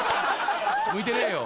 向いてねえよ。